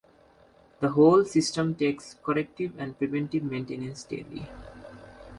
The whole system takes corrective and preventive maintenance daily.